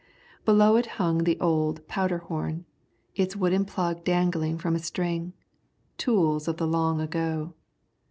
Below it hung the old powder horn, its wooden plug dangling from a string, tools of the long ago.